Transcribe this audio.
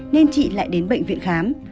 nên chị lại đến bệnh viện khám